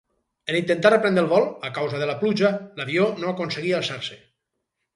En intentar reprendre el vol, a causa de la pluja, l'avió no aconseguí alçar-se.